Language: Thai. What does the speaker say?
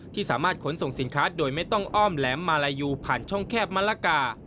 ที่สามารถขนส่งสินค้าโดยไม่ต้องอ้อมแหลมมาลายูผ่านช่องแคบมะละกา